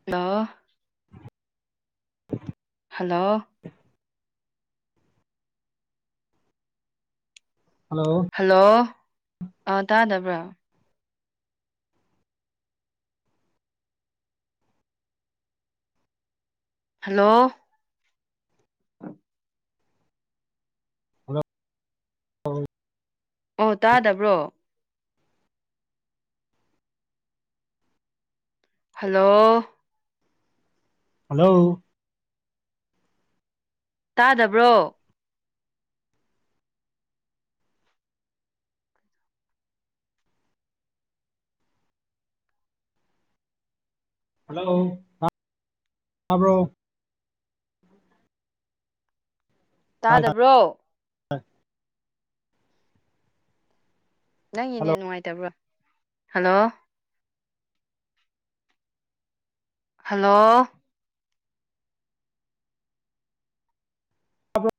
[unintelligible] hello [inaudible] hello hello ꯑꯥ ꯇꯥꯗꯕ꯭ꯔꯥ hello [inaudible] [inaudible] hello ꯑꯣ ꯇꯥꯗꯕ꯭ꯔꯣ ꯍꯜꯂꯣ ꯍꯜꯂꯣ ꯇꯥꯗꯕ꯭ꯔꯣ ꯍꯜꯂꯣ [unintelligible] ꯇꯥꯕ꯭ꯔꯣ ꯇꯥꯏ ꯇꯥꯏ ꯇꯥꯗꯕ꯭ꯔꯣ ꯅꯪꯒꯤ ꯍꯜꯂꯣ ꯅꯦꯠ ꯅꯨꯡꯉꯥꯏꯇꯕ꯭ꯔ ꯍꯜꯂꯣ ꯍꯜꯂꯣ ꯇꯥꯕ꯭ꯔꯣ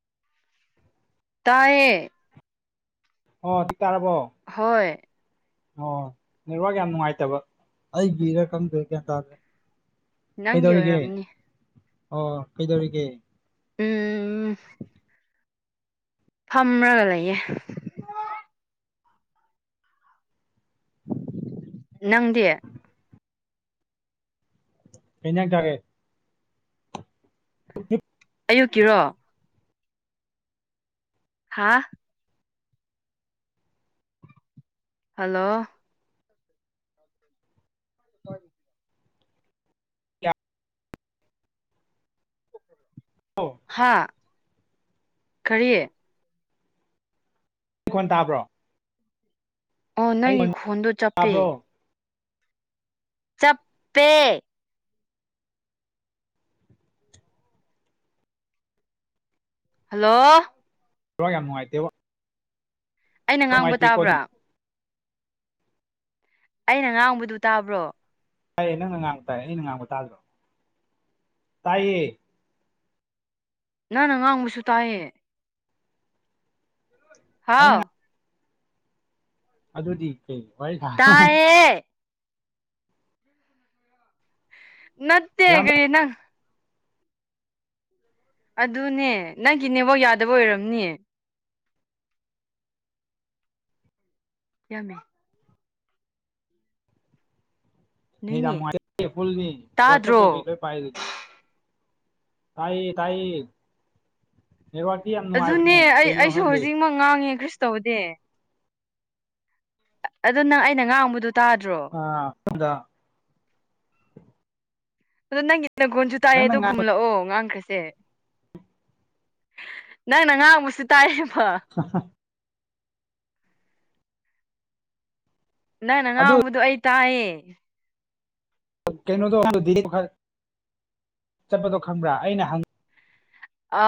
ꯇꯥꯏꯌꯦ ꯑꯣ ꯁꯤ ꯇꯥꯔꯕꯣ ꯍꯣꯏ ꯑꯣ ꯅꯦꯠꯋꯥꯛ ꯌꯥꯝ ꯅꯨꯡꯉꯥꯏꯇꯕ ꯑꯩꯒꯤꯔ ꯀꯪꯗ꯭ꯔꯦ ꯒ꯭ꯌꯥꯟ ꯇꯥꯗꯦ ꯅꯪꯒꯤ ꯀꯩꯗꯧꯔꯤꯒꯦ ꯑꯣꯏꯔꯝꯅꯤ ꯑꯣ ꯀꯩꯗꯧꯔꯤꯒꯦ ꯎꯝ ꯎꯝ ꯐꯝꯔꯒ ꯂꯩꯌꯦ ꯅꯪꯗꯤ ꯀꯩ ꯍꯦꯟꯖꯥꯡ ꯆꯥꯒꯦ [unintelligible] ꯑꯌꯨꯛꯀꯤꯔꯣ ꯍꯥꯥ ꯍꯜꯂꯣ [inaudible] [inaudible] ꯍꯥꯥ ꯀꯔꯤ ꯃꯈꯣꯟ ꯇꯥꯕ꯭ꯔꯣ ꯑꯣ ꯑꯩ ꯅꯪꯒꯤ ꯈꯣꯟ ꯈꯣꯟꯗꯣ ꯆꯞꯄꯦ ꯇꯥꯕ꯭ꯔꯣ ꯆꯞꯄꯦ ꯍꯜꯂꯣ ꯅꯦꯠꯋꯥꯛ ꯌꯥꯝ ꯅꯨꯡꯉꯥꯏꯇꯦꯕꯣ ꯑꯩꯅ ꯉꯥꯡꯕ ꯇꯥꯕ꯭ꯔꯥ ꯑꯩꯅ ꯉꯥꯡꯕꯗꯨ ꯇꯥꯕ꯭ꯔꯣ ꯇꯥꯌꯦ ꯅꯪꯅ ꯉꯥꯡꯕ ꯇꯥꯏ ꯑꯩꯅ ꯉꯥꯡꯕ ꯇꯥꯗ꯭ꯔꯣ ꯇꯥꯏꯌꯦ ꯅꯪꯅ ꯉꯥꯡꯕꯁꯨ ꯇꯥꯏꯌꯦ ꯑꯩꯅ ꯍꯥꯎ ꯉꯥꯡ ꯑꯗꯨꯗꯤ ꯀꯩ ꯋꯥꯔꯤ ꯁꯥ [unintelligible] ꯇꯥꯏꯌꯦ [unintelligible] ꯌꯥꯝ ꯀꯩꯅ ꯑꯗꯨꯅꯦ ꯅꯪꯒꯤ ꯅꯦꯠꯋꯛ ꯌꯥꯗꯕ ꯑꯣꯏꯔꯝꯅꯤ ꯌꯥꯝꯃꯦ ꯅꯦꯠ ꯅꯣꯏꯅꯦ ꯌꯥꯝ ꯅꯨꯡꯉꯥꯏꯇꯦ ꯍꯨꯜꯅꯤ ꯋꯥꯆꯞ ꯇꯥꯗ꯭ꯔꯣ ꯀꯩꯀꯩ ꯂꯣꯏ ꯄꯥꯏꯗꯨꯗꯤ ꯇꯥꯏꯌꯦ ꯇꯥꯏꯌꯦ ꯅꯦꯠꯋꯥꯔꯛꯇꯤ ꯌꯥꯝ ꯑꯗꯨꯅꯦ ꯅꯨꯡꯉꯥꯏꯕꯅꯦ ꯑꯩ ꯀꯩꯒꯤꯅꯣ ꯑꯩꯁꯨ ꯈꯪꯗꯦ ꯍꯧꯖꯤꯛꯃꯛ ꯉꯥꯡꯉꯦ ꯀꯔꯤꯁ ꯇꯧꯗꯦ ꯑꯗꯨ ꯅꯪ ꯑꯩꯅ ꯉꯥꯡꯕꯗꯣ ꯇꯥꯗ꯭ꯔꯣ ꯑꯥ ꯍꯨꯗ ꯑꯗꯣ ꯅꯪꯒꯤ ꯅꯒꯨꯟꯖꯨ ꯇꯥꯏꯌꯦ ꯅꯪꯅ ꯑꯗꯣ ꯉꯥꯡ ꯈꯨꯝꯂꯛꯑꯣ ꯉꯥꯡꯈ꯭ꯔꯁꯦ ꯅꯪꯅ ꯉꯥꯡꯕꯁꯨ ꯇꯥꯏꯌꯦꯕ ꯍꯝꯍꯝ ꯅꯪꯅ ꯑꯗꯨ ꯉꯥꯡꯕꯗꯣ ꯑꯩ ꯇꯥꯏꯌꯦ ꯩꯅꯣꯗꯣ ꯆꯠꯄꯗꯣ ꯈꯪꯕ꯭ꯔꯥ ꯑꯩꯅ ꯍꯪ ꯑ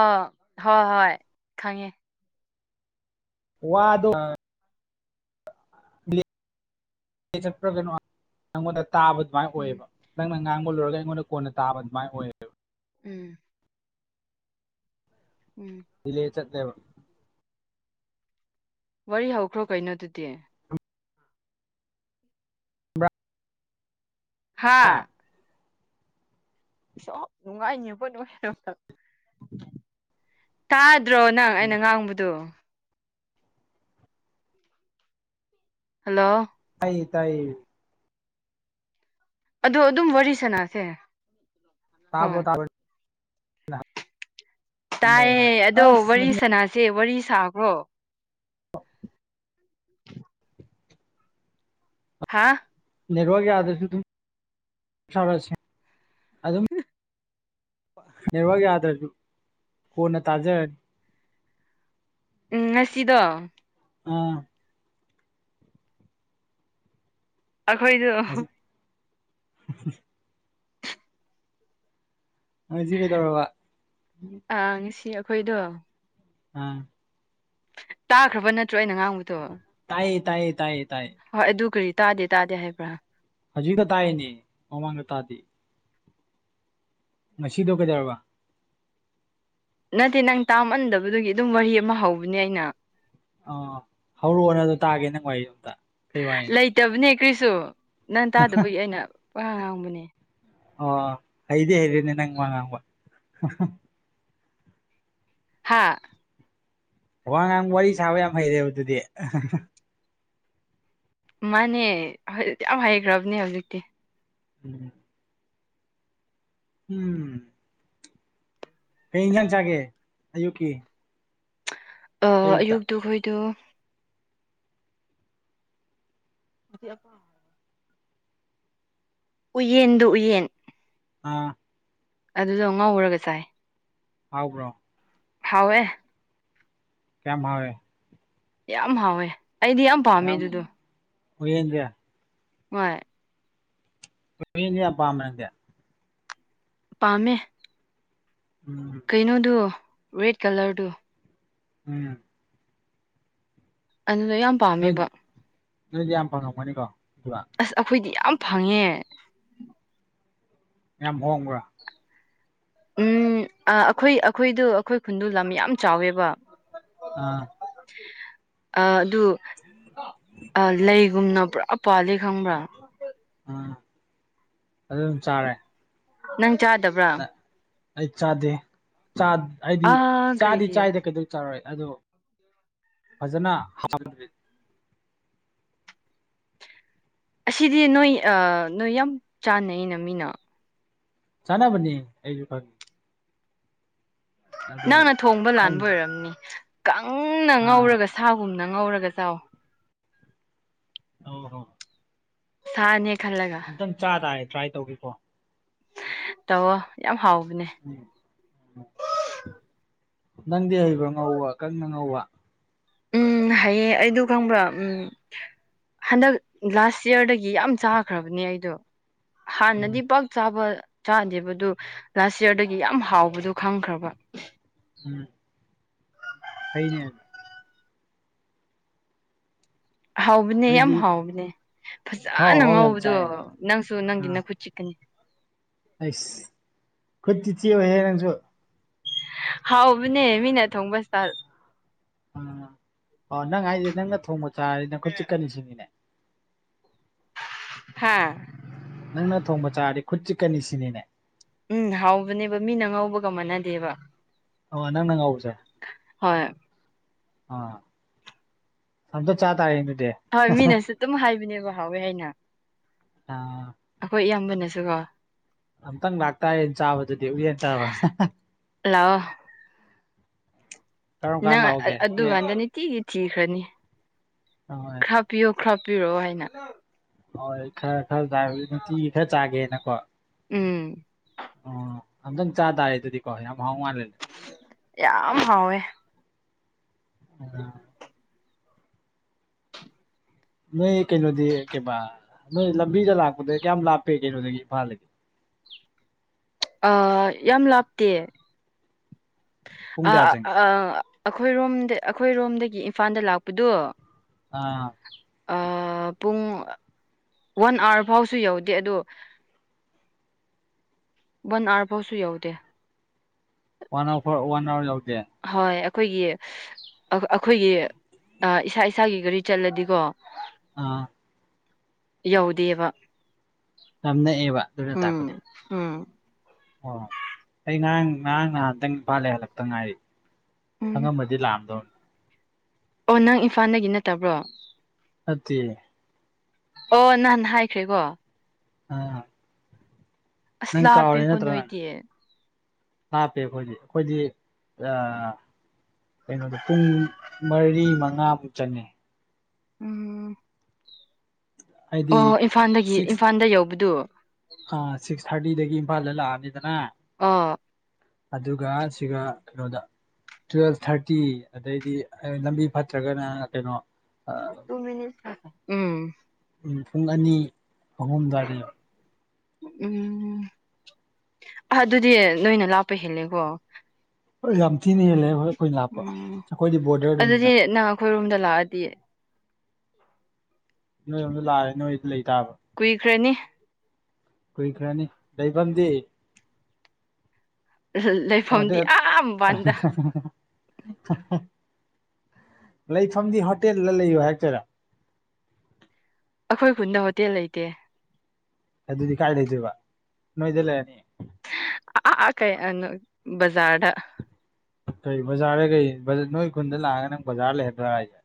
ꯍꯣ ꯍꯣꯏ ꯈꯪꯉꯦ ꯋꯥꯗꯣ ꯅꯦ ꯆꯞꯄ꯭ꯔ ꯀꯩꯅꯣ ꯅꯉꯣꯟꯗ ꯇꯥꯕ ꯑꯗꯨꯃꯥꯏꯅ ꯎꯝ ꯑꯣꯏꯌꯦꯕ ꯅꯪꯅ ꯉꯥꯡꯕ ꯂꯣꯏꯔꯒ ꯑꯩꯉꯣꯟꯗ ꯀꯣꯟꯅ ꯇꯥꯕ ꯑꯗꯨꯃꯥꯏꯅ ꯑꯣꯏꯌꯦꯕ ꯎꯝ ꯎꯝ ꯗꯤꯂꯦ ꯆꯠꯂꯦꯕ ꯋꯥꯔꯤ ꯍꯧꯈ꯭ꯔꯣ ꯀꯩꯅꯣꯗꯨꯗꯤ ꯍꯥꯥ ꯁꯣ ꯅꯨꯡꯉꯥꯏꯅꯦꯕꯣ [inaudible] ꯇꯥꯗ꯭ꯔꯣ ꯅꯪ ꯑꯩꯅ ꯉꯥꯡꯕꯗꯨ ꯍꯜꯂꯣ ꯇꯥꯏꯌꯦ ꯇꯥꯏꯌꯦ ꯑꯗꯣ ꯑꯗꯨꯝ ꯋꯥꯔꯤ ꯁꯥꯅꯁꯦ ꯇꯥꯕꯣ ꯇꯥꯕ ꯇꯥꯏꯌꯦ ꯑꯗꯣ ꯑꯁ ꯋꯥꯔꯤ ꯁꯥꯅꯥꯁꯦ ꯋꯥꯔꯤ ꯁꯥꯈ꯭ꯔꯣ [inaudible] ꯍꯥꯥ ꯅꯦꯠꯋꯥꯛ ꯌꯥꯗꯁꯨ ꯑꯗꯨꯝ ꯏꯁꯥꯅ ꯁꯦꯝ ꯑꯗꯨꯝ ꯅꯦꯠꯋꯥꯛ ꯌꯥꯗ꯭ꯔꯁꯨ ꯀꯣꯟꯅ ꯇꯥꯖꯔꯅꯤ ꯎꯝ ꯉꯁꯤꯗꯣ ꯑꯥ ꯑꯩꯈꯣꯏꯗ ꯎ ꯑꯁꯤ ꯀꯦ ꯇꯧꯔꯕ ꯑꯥ ꯉꯁꯤ ꯑꯈꯣꯏꯗꯣ ꯎꯝ ꯇꯥꯈ꯭ꯔꯕ ꯅꯠꯇ꯭ꯔꯣ ꯑꯩꯅ ꯉꯥꯡꯕꯗꯣ ꯇꯥꯏꯌꯦ ꯇꯥꯏꯌꯦ ꯇꯥꯏꯌꯦ ꯇꯥꯏꯌꯦ ꯍꯣꯏ ꯑꯗꯨ ꯀꯔꯤ ꯇꯥꯗꯦ ꯇꯥꯗꯦ ꯍꯥꯏꯕ꯭ꯔꯥ ꯍꯧꯖꯤꯛꯀ ꯇꯥꯅꯦ ꯃꯃꯥꯡꯗ ꯇꯥꯗꯤ ꯉꯁꯤꯗꯣ ꯀꯩꯗꯧꯔꯕ ꯅꯠꯇꯦ ꯅꯪ ꯇꯥꯝꯃꯟꯗꯕꯗꯨꯒꯤ ꯑꯗꯨꯝ ꯋꯥꯔꯤ ꯑꯃ ꯍꯧꯕꯅꯦ ꯑꯩꯅ ꯑ ꯍꯧꯔꯛꯑꯣꯅꯗꯣ ꯇꯥꯒꯦ ꯅꯪ ꯋꯥ ꯑꯣꯝꯇ ꯂꯩꯇꯕꯅꯦ ꯀꯔꯤꯁꯨ ꯅꯪ ꯇꯥꯗꯕꯒꯤ ꯑꯩꯅ ꯄ ꯉꯥꯡꯕꯅꯦ ꯑꯣ ꯍꯗꯦ ꯍꯥꯏꯗꯦ ꯅ ꯅꯪ ꯃꯥ ꯉꯕ ꯍꯥꯥ ꯋꯥꯉꯥꯡ ꯋꯥꯔꯤ ꯁꯥꯕ ꯌꯥꯝ ꯍꯩꯔꯦꯕ ꯑꯗꯨꯗꯤ ꯃꯥꯅꯦ ꯌꯥꯝ ꯍꯩꯈ꯭ꯔꯕꯅꯦ ꯍꯧꯖꯤꯛꯇꯤ ꯎꯝ ꯎꯝ ꯀꯔꯤ ꯏꯟꯖꯥꯡ ꯆꯥꯒꯦ ꯑꯌꯨꯛꯀꯤ ꯑꯣ ꯑꯌꯨꯛꯇ ꯑꯌꯨꯛꯇꯨꯈꯣꯏꯗꯨ ꯅꯨꯄꯤ ꯑꯃ ꯎꯌꯦꯟꯗꯨ ꯎꯌꯦꯟ ꯑ ꯑꯗꯨꯗꯣ ꯉꯧꯔꯒ ꯆꯥꯏ ꯍꯥꯎꯕ꯭ꯔꯣ ꯍꯥꯎꯋꯦ ꯀꯌꯥꯝ ꯍꯥꯎꯔꯦ ꯌꯥꯝ ꯍꯥꯎꯋꯦ ꯑꯩꯗꯤ ꯌꯥꯝ ꯄꯥꯝꯃꯦ ꯌꯥꯝ ꯑꯗꯨꯗꯣ ꯎꯏꯌꯦꯟꯖꯦ ꯍꯣꯏ ꯃꯤꯟꯌꯥ ꯄꯥꯝꯔꯦ ꯄꯥꯝꯃꯦ ꯎꯝ ꯀꯩꯅꯣꯗꯨ ꯔꯦꯠ ꯀꯂꯔꯗꯨ ꯎꯝ ꯑꯗꯨꯅ ꯌꯥꯝ ꯅꯣꯏ ꯄꯥꯝꯃꯦꯕ ꯅꯣꯏꯗꯤ ꯌꯥꯝ ꯐꯪꯉꯝꯒꯅꯤꯀꯣ ꯄꯨꯔꯥ ꯑꯁ ꯑꯩꯈꯣꯏꯗꯤ ꯌꯥꯝ ꯐꯪꯉꯦ ꯌꯥꯝ ꯍꯣꯡꯕ꯭ꯔꯥ ꯎꯝ ꯑ ꯑꯩꯈꯣꯏ ꯑꯩꯈꯣꯏꯗꯣ ꯑꯩꯈꯣꯏ ꯈꯨꯟꯗꯨ ꯂꯝ ꯌꯥꯝ ꯆꯥꯎꯋꯦꯕ ꯑꯥ ꯑ ꯑꯗꯨ ꯂꯩꯒꯨꯝꯅ ꯄꯨꯔꯥ ꯄꯥꯜꯂꯤ ꯈꯪꯕ꯭ꯔꯥ ꯎꯝ ꯑꯗꯨꯝ ꯆꯥꯔꯦ ꯅꯪ ꯆꯥꯗꯕ꯭ꯔꯥ ꯑꯩ ꯆꯥꯗꯦ ꯆꯥꯠ ꯍꯥꯏꯗꯤ ꯑꯥ ꯆꯥꯗꯤ ꯀꯔꯤꯒꯤ ꯆꯥꯏꯗꯥ ꯀꯩꯗꯧ ꯆꯔꯣꯏ ꯑꯗꯨ ꯐꯖꯅ [unintelligible] ꯑꯁꯤꯗꯤ ꯅꯣꯏ ꯑ ꯅꯣꯏ ꯌꯥꯝ ꯆꯥꯟꯅꯩꯅ ꯃꯤꯅ ꯆꯅꯥꯕꯅꯤ ꯑꯩꯁꯨ ꯈꯪꯢ ꯑꯗꯣ ꯅꯪꯅ ꯊꯣꯡꯕ ꯂꯥꯟꯕ ꯈꯪꯗꯦ ꯑꯣꯏꯔꯝꯅꯤ ꯀꯪꯅ ꯑꯥ ꯉꯧꯔꯒ ꯁꯥꯒꯨꯝꯅ ꯉꯧꯔꯒ ꯆꯥꯎ ꯑꯣꯍꯣ ꯍꯣ ꯁꯥꯅꯦ ꯈꯜꯂꯒ ꯈꯤꯇꯪ ꯆꯥ ꯇꯥꯔꯦ ꯇ꯭ꯔꯥꯏ ꯇꯧꯒꯦꯀꯣ ꯇꯧꯑꯣ ꯌꯥꯝ ꯍꯥꯎꯕꯅꯦ ꯅꯪꯗꯤ ꯍꯩꯕ꯭ꯔꯣ ꯉꯧꯕ ꯀꯪꯅ ꯉꯧꯕ ꯎꯝ ꯍꯩꯌꯦ ꯑꯩꯗꯣ ꯈꯪꯕ꯭ꯔꯥ ꯎꯝ ꯍꯟꯗꯛ ꯂꯥꯁ ꯌꯌꯥꯔꯗꯒꯤ ꯌꯥꯝ ꯆꯥꯈ꯭ꯔꯕꯅꯦ ꯑꯩꯗꯣ ꯍꯥꯟꯅꯗꯤ ꯎꯝ ꯄ ꯆꯥꯕ ꯆꯥꯗꯦꯕ ꯑꯗꯨ ꯂꯥꯁ ꯏꯌꯥꯔꯗꯒꯤ ꯌꯥꯝ ꯍꯥꯎꯕꯗꯣ ꯈꯪꯈ꯭ꯔꯕ ꯎꯝ ꯍꯩꯅꯦ ꯍꯥꯎꯕꯅꯦ ꯌꯥꯝ ꯅꯣꯏꯗꯤ ꯍꯥꯎꯕꯅꯦ ꯑꯍꯥꯎ ꯐꯖꯅ ꯑꯍꯥꯎ ꯌꯥꯝ ꯉꯧꯕꯗꯣ ꯆꯥꯏꯅ ꯅꯪꯁꯨ ꯅꯪꯒꯤ ꯑꯥ ꯅꯈꯨꯠ ꯆꯤꯛꯀꯅꯤ ꯑꯩꯁ ꯈꯨꯠꯇꯤ ꯆꯤꯛꯑꯣꯢꯌꯦ ꯅꯪꯁꯨ ꯍꯥꯎꯕꯅꯦ ꯃꯤꯅ ꯊꯣꯡꯕ ꯢꯁꯇꯥꯥꯜ ꯎꯝ ꯑꯣ ꯅꯪ ꯍꯥꯏꯁꯦ ꯅꯪꯅ ꯊꯣꯡꯕ ꯆꯥꯔꯗꯤ ꯅꯈꯨꯠ ꯆꯤꯛꯀꯅꯤ ꯁꯤꯅꯤꯅꯦ ꯍꯥ ꯅꯪꯅ ꯊꯣꯡꯕ ꯆꯥꯔꯗꯤ ꯈꯨꯠ ꯆꯤꯛꯀꯅꯤ ꯁꯤꯅꯤꯅꯦ ꯎꯝ ꯍꯥꯎꯕꯅꯦꯕ ꯃꯤꯅ ꯉꯧꯕꯒ ꯃꯥꯟꯅꯗꯦꯕ ꯑꯣ ꯅꯪꯅ ꯉꯧꯕꯖꯦ ꯍꯣꯏ ꯑꯥ ꯑꯃꯨꯛꯇ ꯆꯥ ꯇꯥꯔꯦ ꯑꯗꯨꯗꯤ ꯍꯣꯏ ꯃꯤꯅꯁꯨ ꯑꯗꯨꯝ ꯍꯥꯏꯕꯅꯦꯕ ꯍꯥꯎꯋꯦ ꯍꯥꯏꯅ ꯑ ꯑꯩꯈꯣꯏ ꯏꯌꯥꯝꯕꯅꯁꯨ ꯀꯣ ꯑꯝꯇꯪ ꯂꯥꯛꯇꯥꯔꯌꯦꯟ ꯆꯥꯕꯗꯨꯗꯤ ꯎ ꯌꯦꯟ ꯆꯥꯕ ꯂꯥꯑꯣ ꯀꯔꯝ ꯀꯥꯟ ꯅꯪ ꯂꯥꯛꯎꯒꯦ ꯑꯗꯨ ꯀꯥꯟꯗꯅꯤ ꯇꯤ ꯊꯤꯈꯔꯅꯤ ꯍꯣꯏ ꯍꯥꯞꯄꯤꯌꯣ ꯈ꯭ꯔ ꯄꯤꯔꯣ ꯍꯥꯏꯅ ꯍꯣꯏ ꯈꯔ ꯈꯔ ꯆꯥꯕꯖꯦ ꯅꯨꯡꯇꯤꯒꯤ ꯈꯔ ꯆꯥꯒꯦꯅꯀꯣ ꯎꯝ ꯑꯣ ꯑꯝꯇꯪ ꯆꯥ ꯇꯥꯔꯦ ꯑꯗꯨꯗꯤ ꯀꯣ ꯌꯥꯝ ꯍꯥꯎ ꯃꯥꯜꯂꯦ ꯌꯥꯝ ꯍꯥꯎꯋꯦ [unintelligible] ꯅꯣꯏ ꯀꯩꯅꯣꯗꯤ ꯀꯩꯕꯥ ꯅꯣꯏ ꯂꯝꯕꯤꯗ ꯂꯥꯛꯄꯗ ꯀꯌꯥꯝ ꯂꯥꯞꯄꯦ ꯀꯩꯅꯣꯗꯒꯤ ꯏꯝꯐꯥꯜꯗꯒꯤ ꯑꯥ ꯌꯥꯝ ꯂꯥꯞꯇꯦ ꯄꯨꯡ ꯀꯌꯥ ꯆꯪꯉꯤ ꯑ-ꯑ ꯑꯩꯈꯣꯏꯔꯣꯝꯗ ꯑꯩꯈꯣꯏꯔꯣꯝꯗꯒꯤ ꯏꯝꯐꯥꯜꯗ ꯂꯥꯛꯄꯗꯣ ꯑꯥ ꯑ ꯄꯨꯡ ꯋꯥꯟ ꯑꯋꯥꯔ ꯐꯥꯎꯁꯨ ꯌꯧꯗꯦ ꯑꯗꯣ ꯋꯥꯟ ꯑꯋꯥꯔ ꯐꯥꯎꯁꯨ ꯌꯥꯎꯗꯦ ꯋꯥꯟꯑꯋꯥꯔ ꯐꯥꯎ ꯋꯥꯟ ꯑꯋꯥꯔ ꯌꯧꯗꯦ ꯍꯣꯏ ꯑꯩꯈꯣꯏꯒꯤ ꯑꯩꯈꯣꯏꯒꯤ ꯏꯁꯥ ꯏꯁꯥꯒꯤ ꯒꯥꯔꯤ ꯆꯠꯂꯗꯤꯀꯣ ꯑꯥ ꯌꯧꯗꯦꯕ ꯌꯥꯝ ꯅꯛꯑꯦꯕ ꯑꯗꯨꯅ ꯇꯥꯛꯄꯗꯤ ꯎꯝ ꯎꯝ ꯑꯣ ꯑꯩ ꯉꯔꯥꯡ ꯉꯔꯥꯡ ꯅꯍꯥꯟꯇꯪ ꯏꯐꯥꯜꯗꯩ ꯍꯜꯂꯛꯇ ꯉꯥꯏꯔꯤ ꯎꯝ ꯈꯪꯉꯝꯃꯗꯤ ꯂꯥꯛꯑꯝꯗꯧꯅꯤ ꯑꯣ ꯅꯪ ꯏꯝꯐꯥꯟꯗꯒꯤ ꯅꯠꯇꯕ꯭ꯔꯣ ꯅꯠꯇꯦ ꯑꯣ ꯅꯍꯥꯟ ꯍꯥꯏꯈ꯭ꯔꯦꯀꯣ ꯑꯥ ꯑꯁ ꯅꯪ ꯀꯥꯎꯔꯦ ꯂꯥꯞꯄꯦꯀꯣ ꯅꯠꯇ꯭ꯔ ꯅꯪ ꯅꯣꯏꯗꯤ ꯂꯥꯞꯄꯦ ꯑꯩꯈꯣꯏꯗꯤ ꯑꯩꯈꯣꯏꯗꯤ ꯑ ꯀꯩꯅꯣꯗꯣ ꯄꯨꯡ ꯃꯔꯤ ꯃꯉꯥꯃꯨꯛ ꯆꯪꯉꯦ ꯎꯝ ꯍꯥꯏꯗꯤ ꯑꯣ ꯏꯝꯐꯥꯟꯗꯒꯤ ꯏꯝꯐꯥꯟꯗ ꯌꯧꯕꯗꯨ ꯑ ꯁꯤꯛꯁ ꯊꯥꯔꯇꯤꯗꯒꯤ ꯏꯝꯐꯥꯜꯗ ꯂꯥꯛꯑꯅꯤꯗꯅ ꯑꯥ ꯑꯗꯨꯒ ꯁꯤꯒ ꯀꯩꯅꯣꯗ ꯇꯨꯋꯦꯜꯐ ꯊꯥꯔꯇꯤ ꯑꯗꯩꯗꯤ ꯂꯝꯕꯤ ꯐꯠꯇ꯭ꯔꯒꯅ ꯀꯩꯅꯣ ꯑ ꯀꯣꯃꯤꯅꯤꯁꯥ ꯎꯝ ꯎꯝ ꯄꯨꯡ ꯑꯅꯤ ꯑꯍꯨꯝ ꯗꯥꯏꯗ ꯌꯧ ꯎꯝ ꯑ ꯑꯗꯨꯗꯤ ꯅꯣꯏꯅ ꯂꯥꯞꯄ ꯍꯦꯜꯂꯦꯀꯣ ꯍꯣꯏ ꯌꯥꯝ ꯊꯤꯅ ꯍꯦꯜꯂꯦ ꯑꯩꯈꯣꯢ ꯈꯣꯏꯅ ꯂꯥꯞꯄ ꯑꯩꯈꯣꯏꯗꯤ ꯕꯣꯗꯔꯗꯅꯤꯅ ꯈꯣꯏꯔꯣꯝꯗ ꯂꯥꯛꯑꯗꯤ ꯅꯣꯏꯔꯣꯝꯗ ꯂꯥꯛꯑꯗꯤ ꯅꯣꯏꯗ ꯂꯩꯇꯕ ꯀꯨꯏꯈ꯭ꯔꯅꯤ ꯀꯨꯏꯈꯔꯅꯤ ꯂꯩꯩꯕꯝꯗꯤ ꯂꯩꯐꯝꯗꯤ ꯍꯣꯇꯦꯜ ꯑ ꯃꯄꯥꯟꯗ ꯂꯩꯐꯝꯗꯤ ꯍꯣꯇꯦꯜꯗ ꯂꯩꯌꯣ ꯍꯥꯏꯔꯛꯇꯣꯏꯔꯥ ꯑꯩꯈꯣꯏ ꯈꯨꯟꯗ ꯍꯣꯇꯦꯜ ꯂꯩꯇꯦ ꯑꯗꯨꯗꯤ ꯀꯥꯏ ꯂꯩꯗꯣꯏꯕ ꯅꯣꯏꯗ ꯂꯩꯔꯅꯤ ꯑ ꯀꯩ ꯕꯖꯥꯔ ꯗ ꯀꯩ ꯕꯖꯥꯔꯗꯩ ꯀꯩ ꯅꯣꯏ ꯈꯨꯟꯗ ꯂꯥꯛꯑꯒ ꯅꯪ ꯕꯖꯥꯔ ꯂꯩꯍꯟꯗꯣꯔꯥ ꯍꯥꯏꯁꯦ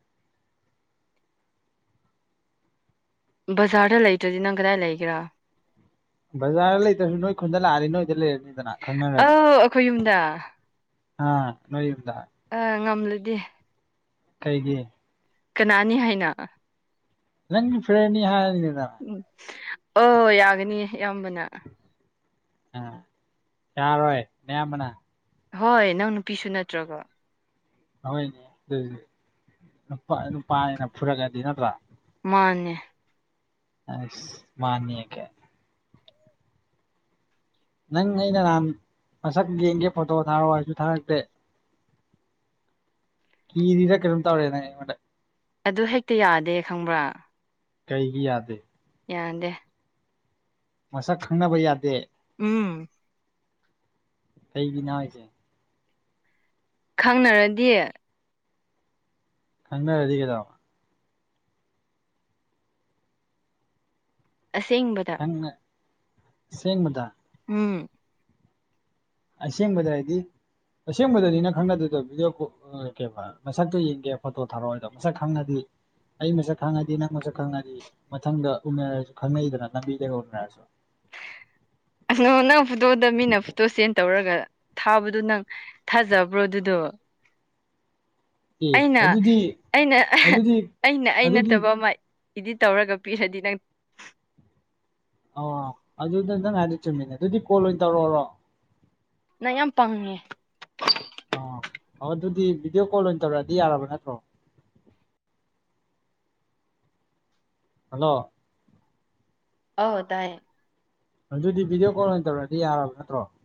ꯕꯖꯥꯔꯗ ꯂꯩꯇ꯭ꯔꯗꯤ ꯅꯪ ꯀꯗꯥꯏ ꯂꯩꯒꯦꯔꯥ ꯕꯖꯥꯔ ꯂꯩꯇ꯭ꯔꯁꯨ ꯅꯣꯏ ꯈꯨꯟꯗ ꯂꯥꯛꯅꯤ ꯅꯣꯏꯗ ꯂꯩꯔꯅꯤꯗꯅ ꯑꯧ ꯑꯩꯈꯣꯏ ꯈꯪꯅꯔꯗꯤ ꯌꯨꯝꯗ ꯑꯥ ꯅꯣꯏꯌꯨꯝꯗ ꯑ ꯉꯝꯂꯗꯤ ꯀꯩꯒꯤ ꯀꯅꯥꯅꯤ ꯍꯥꯏꯅ ꯅꯪ ꯐꯔꯦꯟꯅꯤ ꯍꯥꯏꯔꯅꯤꯅ ꯎꯝ ꯑꯣ ꯌꯥꯒꯅꯤ ꯏꯌꯥꯝꯕꯅ ꯑ ꯌꯥꯔꯣꯏ ꯅꯌꯥꯝꯕꯅ ꯍꯣꯏ ꯅꯪ ꯅꯨꯄꯤꯁꯨ ꯅꯠꯇ꯭ꯔꯒ ꯍꯣꯏꯅꯦ ꯑꯗꯨꯗꯤ ꯅꯨꯄꯥ ꯅꯨꯄꯥꯅꯤꯅ ꯐꯨꯔꯛꯑꯗꯤ ꯅꯠꯇ꯭ꯔꯥ ꯃꯥꯅꯦ ꯑꯁ ꯃꯥꯅꯤ ꯀꯥꯏ ꯅꯪ ꯑꯩꯅ ꯅꯍꯥꯟ ꯃꯁꯛ ꯌꯦꯡꯒꯦ ꯐꯣꯇꯣ ꯊꯥꯔꯛꯑꯣ ꯍꯥꯏꯁꯨ ꯊꯥꯔꯛꯇꯦ ꯀꯤꯔꯤꯔꯥ ꯀꯩꯅꯣꯝ ꯇꯧꯔꯦ ꯅꯪ ꯑꯩꯉꯣꯟꯗ ꯑꯗꯨ ꯍꯦꯛꯇ ꯌꯥꯗꯦ ꯈꯪꯕ꯭ꯔꯥ ꯀꯩꯒꯤ ꯌꯥꯗꯦ ꯌꯥꯗꯦ ꯃꯁꯛ ꯈꯪꯅꯕ ꯌꯥꯗꯦ ꯎꯝ ꯀꯩꯒꯤꯅꯣ ꯍꯥꯏꯁꯦ ꯈꯪꯅꯔꯗꯤ ꯈꯪꯅꯔꯗꯤ ꯀꯩꯅꯣ ꯑꯁꯦꯡꯕꯗ ꯅꯪꯅ ꯑꯁꯦꯡꯕꯗ ꯎꯝ ꯑꯁꯦꯡꯕꯗ ꯍꯥꯏꯗꯤ ꯑꯁꯦꯡꯕꯗꯅꯤ ꯅꯪ ꯈꯪꯅꯗꯣꯏꯗꯣ ꯚꯗꯤꯑꯣ ꯀꯣꯟ ꯎꯠꯀꯦꯕ ꯃꯁꯛꯇꯣ ꯌꯦꯡꯒꯦ ꯐꯣꯇꯣ ꯊꯥꯔꯛꯑꯣꯗꯣ ꯃꯁꯛ ꯈꯪꯉꯗꯤ ꯑꯩ ꯃꯁꯛ ꯈꯪꯉꯗꯤ ꯅꯪ ꯃꯁꯛ ꯈꯪꯉꯗꯤ ꯃꯊꯪꯗ ꯎꯅꯔꯁꯨ ꯈꯪꯅꯩꯗꯅ ꯂꯝꯕꯤꯗꯒ ꯎꯅꯔꯁꯨ ꯑꯣ ꯅꯪ ꯐꯣꯇꯣꯗ ꯃꯤꯅ ꯐꯣꯇꯣ ꯁꯦꯟ ꯇꯧꯔꯒ ꯊꯥꯕꯗꯨ ꯅꯪ ꯊꯥꯖꯕ꯭ꯔꯣ ꯑꯗꯨꯗꯣ ꯑꯦ ꯑꯩꯅ ꯑꯗꯨꯗꯤ ꯑꯩꯅ ꯑꯗꯨꯗꯤ ꯑꯩꯅ ꯑꯩ ꯑꯗꯨꯗꯤ ꯅꯠꯇꯕ ꯑꯃꯥ ꯏꯗꯤꯠ ꯇꯧꯔꯒ ꯄꯤꯔꯗꯤ ꯅꯪ ꯑ ꯑꯗꯨꯗꯗ ꯉ ꯍꯥꯏꯗꯤ ꯆꯨꯝꯃꯤꯅꯦ ꯑꯗꯨꯗꯤ ꯀꯣꯜ ꯑꯣꯏꯅ ꯇꯧꯔꯛꯔꯣ ꯅꯪ ꯌꯥꯝ ꯄꯪꯉꯦ ꯑꯣ ꯑꯣ ꯑꯗꯨꯗꯤ ꯚꯤꯗꯤꯑꯣ ꯀꯣꯜ ꯑꯣꯏꯅ ꯇꯧꯔꯛꯑꯗꯤ ꯌꯥꯔꯕ ꯅꯠꯇ꯭ꯔꯣ ꯍꯜꯂꯣ ꯑꯣ ꯇꯥꯏꯌꯦ ꯑꯗꯨꯗꯤ ꯚꯗꯤꯑꯣ ꯀꯣꯜ ꯑꯣꯏꯅ ꯇꯧꯔꯗꯤ ꯌꯥꯔꯕ ꯅꯠꯇ꯭ꯔꯣ